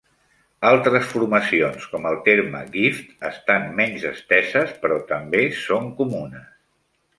Altres formacions, com el terme "gift", estan menys esteses però també són comunes.